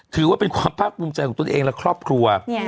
ถือว่าเป็นความภาคภูมิใจของตนเองและครอบครัว